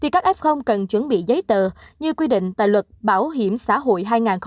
cần chuẩn bị giấy tờ như quy định tại luật báo hiểm xã hội hai nghìn một mươi bốn